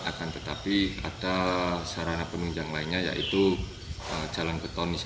akan tetapi ada sarana penunjang lainnya yaitu jalan betonisasi